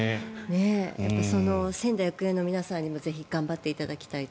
やっぱり、仙台育英の皆さんにもぜひ頑張っていただきたいと。